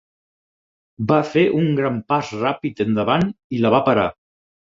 Va fer un gran pas ràpid endavant i la va parar.